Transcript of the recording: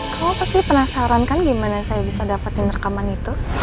kamu pasti penasaran kan gimana saya bisa dapetin rekaman itu